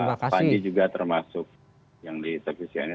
pak deddy juga termasuk yang disaksikan